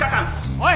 おい！